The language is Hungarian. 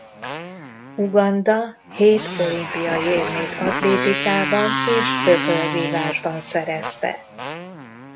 Uganda hét olimpiai érmét atlétikában és ökölvívásban szerezte.